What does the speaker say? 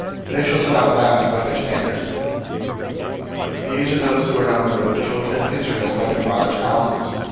They shall set out last by their standards." 002:032 These are those who were numbered of the children of Israel by their fathers' houses.